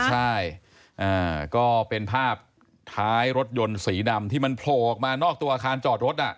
ใช่ก็เป็นภาพท้ายรถยนต์สีดำที่มันโผล่ออกมานอกตัวอาคารจอดรถ